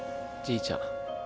じいちゃん。